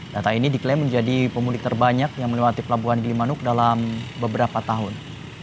data ini diklaim menjadi pemudik terbanyak yang melewati pelabuhan gilimanuk dalam beberapa tahun